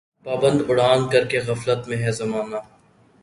پابند اڑان کر کے غفلت میں ہے زمانہ